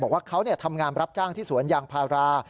บอกว่าเขาทำงานรับจ้างที่สวนยางพารา